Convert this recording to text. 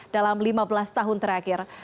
dalam lima belas tahun terakhir